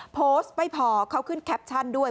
โพสต์ไม่พอเขาขึ้นแคปชั่นด้วย